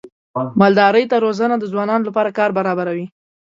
مالدارۍ ته روزنه د ځوانانو لپاره کار برابروي.